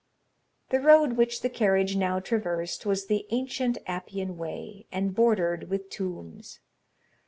The road which the carriage now traversed was the ancient Appian Way, and bordered with tombs.